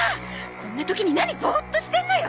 こんな時に何ボーッとしてんのよ！